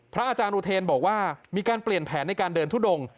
อาจารย์อุเทนบอกว่ามีการเปลี่ยนแผนในการเดินทุดง